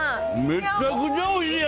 めちゃくちゃおいしいね！